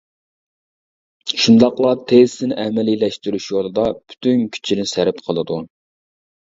شۇنداقلا تېزىسىنى ئەمەلىيلەشتۈرۈش يولىدا پۈتۈن كۈچىنى سەرپ قىلىدۇ.